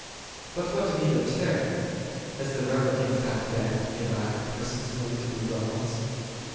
But what need of terror; has there ever in fact been a lack of persons willing to be brides